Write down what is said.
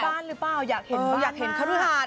จะไปบ้านหรือเปล่าอยากเห็นบ้านมาก